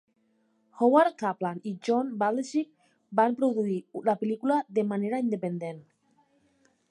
Howard Kaplan i John Baldecchi van produir la pel·lícula de manera independent.